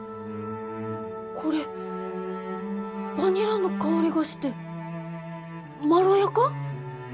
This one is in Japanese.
これバニラの香りがしてまろやか？